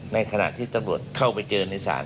ในขณะที่ตำรวจเข้าไปเจอ